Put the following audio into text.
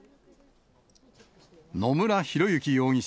野村広之容疑者